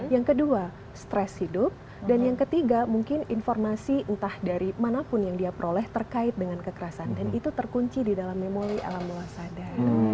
yang kedua stres hidup dan yang ketiga mungkin informasi entah dari manapun yang dia peroleh terkait dengan kekerasan dan itu terkunci di dalam memori alam mua sadar